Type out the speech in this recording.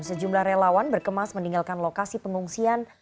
sejumlah relawan berkemas meninggalkan lokasi pengungsian